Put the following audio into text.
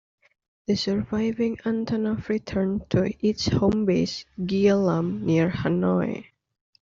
The surviving Antonov returned to its home base, Gia Lam, near Hanoi.